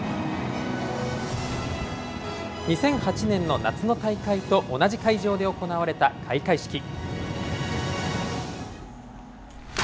２００８年の夏の大会と同じ会場で行われた開会式。